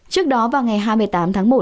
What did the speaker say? trước đó vào ngày hai mươi tám tháng một